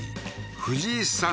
藤井さん